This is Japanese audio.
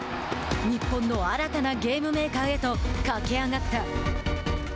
日本の新たなゲームメーカーへと駆け上がった。